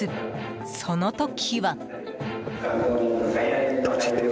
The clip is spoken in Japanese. その時は。